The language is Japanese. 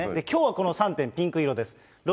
きょうはこの３点、ピンク色です。